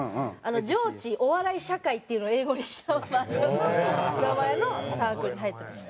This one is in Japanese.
「上智お笑い社会」っていうのを英語にした名前のサークルに入ってました。